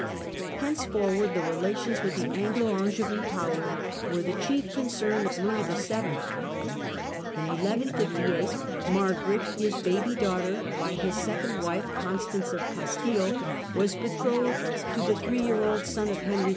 Henceforward the relations with the Anglo Angevin power were the chief concern of Louis VII. In 1158, Margaret, his baby daughter by his second wife Constance of Castile, was betrothed to the three year old son of Henry 11.